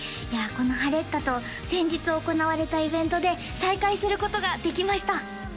このハレッタと先日行われたイベントで再会することができました